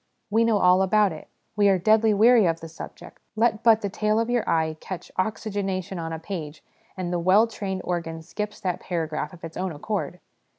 We know all about it ; we are deadly weary of the subject ; let but the tail of your eye catch ' oxygenation ' on a page, and the well trained organ skips that paragraph of its own accord.